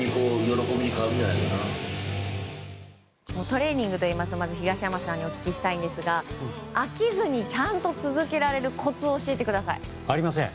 トレーニングといいますとまず東山さんにお聞きしたいんですが飽きずにちゃんと続けられるコツを教えてください。ありません。